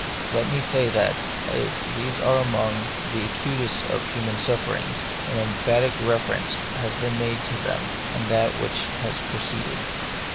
Let me say that, as these are among the acutest of human sufferings, an emphatic reference has been made to them in that which has preceded.